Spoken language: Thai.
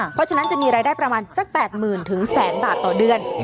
เพราะฉะนั้นจะมีรายได้ประมาณสัก๘๐๐๐บาทต่อเดือน